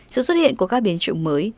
sự xuất hiện của các biến chủng mới